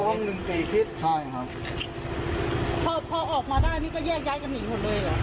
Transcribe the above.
แล้วปล่ากถังฟูปพี่ยังพาออกก็ออกตามเลย